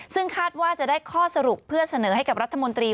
ซึ่งคาดว่าจะได้ข้อสรุปเพื่อเสนอให้กับรัฐมนตรี